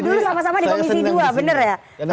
oh dulu sama sama di komisi dua bener ya